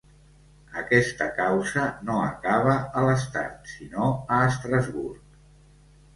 Aquesta causa no acaba a l’estat, sinó a Estrasburg